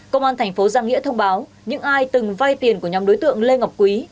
công an thành phố giang nghĩa thông báo những ai từng vay tiền của nhóm đối tượng lê ngọc quý